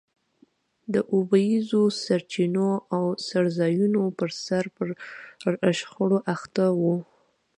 د اوبیزو سرچینو او څړځایونو پرسر پر شخړو اخته وو.